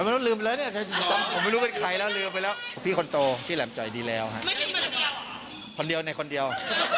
ไม่รู้เป็นใครแล้วลืมไปแล้วพี่คนโตชื่อแหลมจ่อยดีแล้วคนเดียวในคนเดียว